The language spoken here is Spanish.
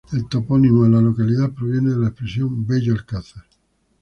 El topónimo de la localidad proviene de la expresión "bello alcázar".